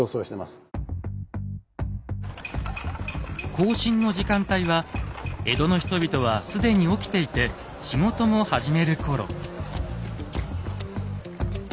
行進の時間帯は江戸の人々は既に起きていて仕事も始める頃。